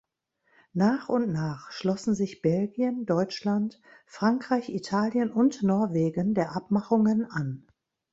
Nach und nach schlossen sich Belgien, Deutschland, Frankreich, Italien und Norwegen der Abmachungen an.